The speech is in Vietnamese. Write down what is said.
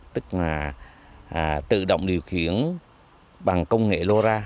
tức là tự động điều khiển bằng công nghệ lô ra